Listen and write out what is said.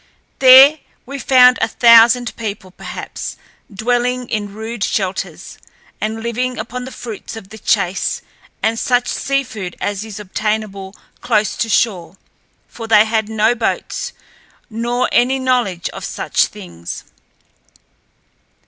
There we found a thousand people, perhaps, dwelling in rude shelters, and living upon the fruits of the chase and such sea food as is obtainable close to shore, for they had no boats, nor any knowledge of such things.